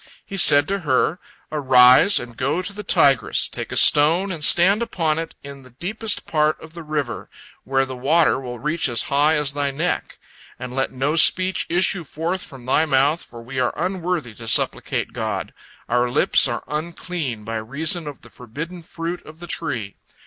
He said to her: "Arise, and go to the Tigris, take a stone and stand upon it in the deepest part of the river, where the water will reach as high as thy neck. And let no speech issue forth from thy mouth, for we are unworthy to supplicate God, our lips are unclean by reason of the forbidden fruit of the tree.